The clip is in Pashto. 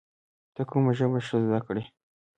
ته کوم ژبه ښه زده کړې؟